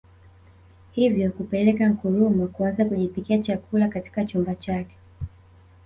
Hivyo kupelekea Nkrumah kuanza kujipikia chakula katika chumba chake